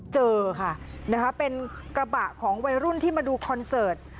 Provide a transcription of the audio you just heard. เจอค่ะนะคะเป็นกระบะของวัยรุ่นที่มาดูคอนเสิร์ต